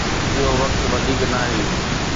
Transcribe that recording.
اهو وقت وڌيڪ ناهي.